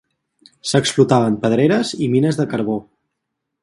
S'explotaven pedreres i mines de carbó.